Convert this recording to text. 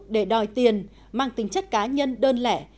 để đòi tiền mang tính chất cá nhân đơn lẻ